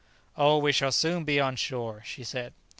"Oh, we shall soon be on shore!" she said.